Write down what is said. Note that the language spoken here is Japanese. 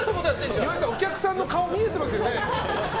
岩井さん、お客さんの顔見えてますよね？